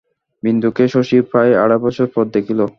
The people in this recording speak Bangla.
বিন্দুকে শশী প্রায় আড়াই বছর পরে দেখিল।